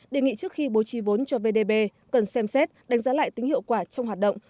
đề nghị trước khi bố trí vốn cho vdb cần xem xét đánh giá lại tính hiệu quả trong hoạt động